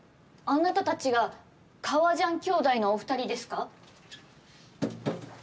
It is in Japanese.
あなたたちが革ジャン兄弟のお二人ですか？